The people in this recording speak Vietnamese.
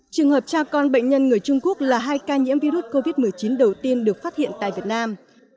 trường hợp cha con bệnh nhân người trung quốc là hai ca nhiễm virus covid một mươi chín đầu tiên được phát hiện tại việt nam